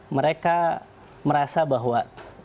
mereka merasa bahwa